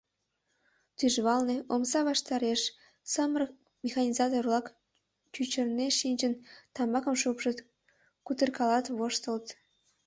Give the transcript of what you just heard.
Тӱжвалне, омса ваштареш, самырык механизатор-влак чӱчырнен шинчын, тамакым шупшыт, кутыркалат, воштылыт.